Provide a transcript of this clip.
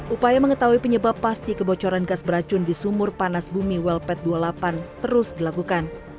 upaya mengetahui penyebab pasti kebocoran gas beracun di sumur panas bumi welpet dua puluh delapan terus dilakukan